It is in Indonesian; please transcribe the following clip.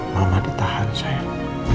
mama ditahan sayang